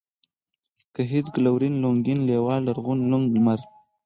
گهيځ ، گلورين ، لونگين ، لېوال ، لرغون ، لونگ ، لمر